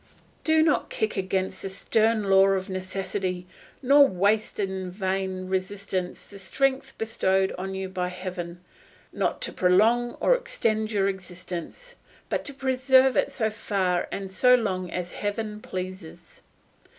Do not kick against the stern law of necessity, nor waste in vain resistance the strength bestowed on you by heaven, not to prolong or extend your existence, but to preserve it so far and so long as heaven pleases.